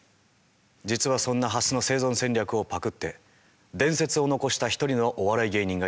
実はそんなハスの生存戦略をパクって伝説を残した一人のお笑い芸人がいます。